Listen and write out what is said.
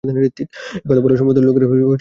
এ কথা বলার পরে সম্প্রদায়ের লোকেরা তাকে হত্যা করে।